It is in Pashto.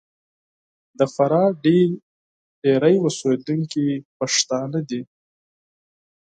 د فراه ډېری اوسېدونکي پښتانه دي.